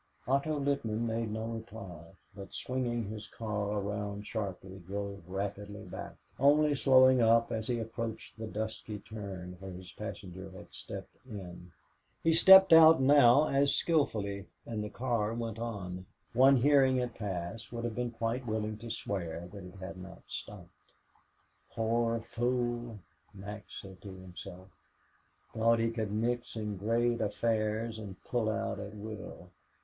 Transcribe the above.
Otto Littman made no reply, but, swinging his car around sharply, drove rapidly back, only slowing up as he approached the dusky turn where his passenger had stepped in. He stepped out now as skillfully, and the car went on. One hearing it pass would have been quite willing to swear that it had not stopped. "Poor fool," Max said to himself. "Thought he could mix in great affairs and pull out at will.